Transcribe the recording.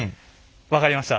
分かりました。